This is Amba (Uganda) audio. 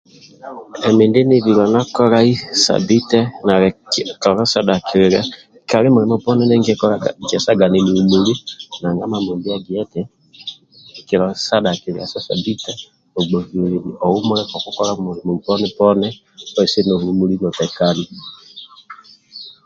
Emi ndie nibiliana kolai Sabbite nali tolo sa dhakililia kali mulimo poni ndie nkikolaga nkiesaga ninihumuli nanga Mambombi agia eti tolo sa dhakililia ohumulage kolo kukolaga milulimo poni